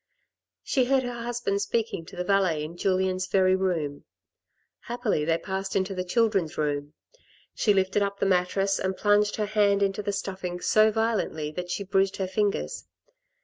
She heard her husband speaking to the valet in Julien's very room. Happily, they passed into the children's room. She lifted up the mattress, and plunged her hand into the stuffing so violently that she bruised her fingers.